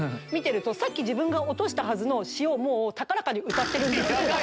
見てるとさっき自分が落としたはずの詞をもう高らかに歌ってるんですよ。